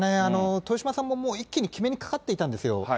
豊島さんも、一気に決めにかかっていたんですよ。